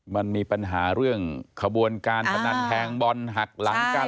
มันมีปัญหาเรื่องขบวนการพนันแทงบอลหักหลังกัน